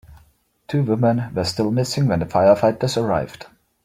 Two women were still missing when the firefighters arrived.